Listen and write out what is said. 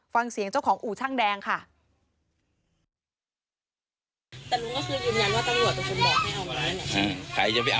ฟังเสียงเจ้าของอู่ช่างแดงค่ะ